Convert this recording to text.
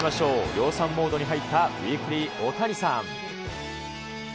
量産モードに入ったウィークリーオオタニサン！